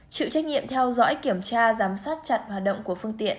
chịu trách nhiệm theo dõi kiểm tra giám sát chặt hoạt động của phương tiện